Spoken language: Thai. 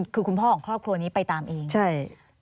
คือคุณพ่อของครอบครัวนี้ไปตามเองใช่